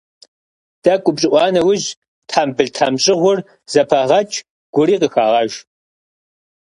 ТӀэкӀу упщӀыӀуа нэужь тхьэмбыл-тхьэмщӀыгъур зэпагъэкӀ, гури къыхагъэж.